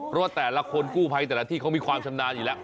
เพราะว่าแต่ละคนกู้ภัยแต่ละที่เขามีความชำนาญอยู่แล้ว